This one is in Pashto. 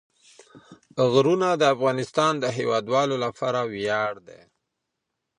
غرونه د افغانستان د هیوادوالو لپاره ویاړ دی.